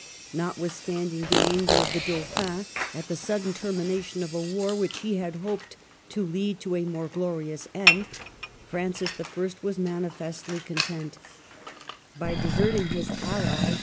Not withstanding the anger of the Dauphin at the sudden termination of a war which he had hoped to lead to a more glorious end, Francis I. was manifestly content By deserting his ally.